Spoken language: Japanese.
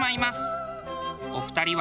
お二人は。